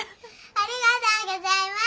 ありがとうございます。